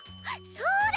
そうだ！